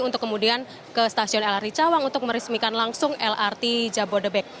untuk kemudian ke stasiun lrt cawang untuk meresmikan langsung lrt jabodebek